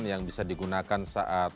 yang bisa digunakan saat